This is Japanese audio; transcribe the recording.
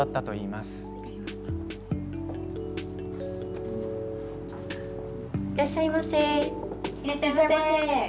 いらっしゃいませ。